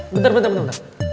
bentar bentar bentar